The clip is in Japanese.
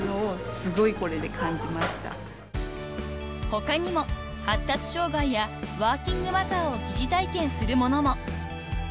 ［他にも発達障害やワーキングマザーを疑似体験するものも］